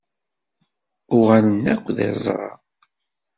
Uɣalen akk d iẓra.